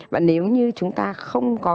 và nếu như chúng ta không có